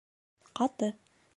Ҡаты